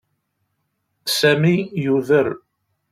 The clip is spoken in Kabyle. Sami yuder.